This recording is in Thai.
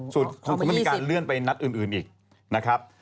ส่วนคงจะไม่มีการเลื่อนไปนัดอื่นอีกนะครับ